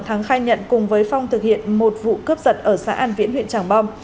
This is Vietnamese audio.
thắng khai nhận cùng với phong thực hiện một vụ cướp giật ở xã an viễn huyện tràng bom